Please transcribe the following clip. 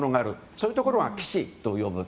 そういうところは基地と呼ぶ。